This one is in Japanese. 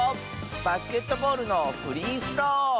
バスケットボールのフリースロー！